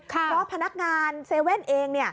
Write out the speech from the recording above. เพราะพนักงานเซเว่นเอง